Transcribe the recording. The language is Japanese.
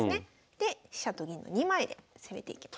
で飛車と銀の２枚で攻めていきます。